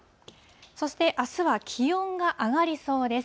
そして、あすは気温が上がりそうです。